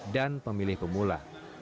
dan pemilih pemula